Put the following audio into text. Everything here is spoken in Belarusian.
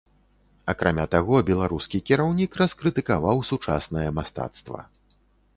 Акрамя таго беларускі кіраўнік раскрытыкаваў сучаснае мастацтва.